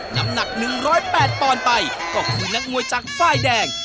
น้ำหนัก๑๐๘ปอนด์ไปก็คือนักมวยจากไฟแดง